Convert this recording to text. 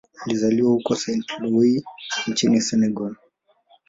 Alizaliwa huko Saint-Louis nchini Senegal.